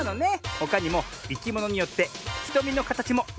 ほかにもいきものによってひとみのかたちもいろいろなんだね。